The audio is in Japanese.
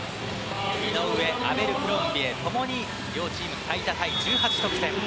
井上、アベルクロンビエ共に両チーム最多タイ１８得点。